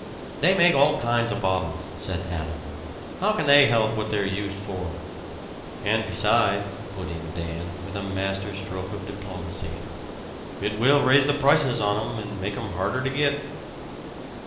"They make all kinds of bottles," said Adam; "how can they help what they're used for?" "And besides," put in Dan, with a master stroke of diplomacy, "it will raise the prices on 'em, and make 'em harder to git."